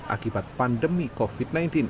akibat pandemi covid sembilan belas